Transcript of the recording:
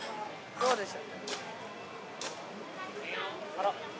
どうした？